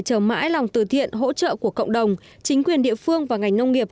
với lòng từ thiện hỗ trợ của cộng đồng chính quyền địa phương và ngành nông nghiệp